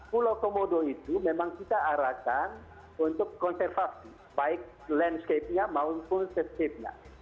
pulau komodo itu memang kita arahkan untuk konservasi baik landscape nya maupun setiap